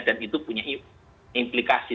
dan itu punya implikasi